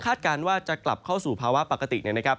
การว่าจะกลับเข้าสู่ภาวะปกตินะครับ